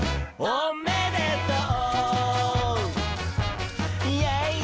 「おめでとう！」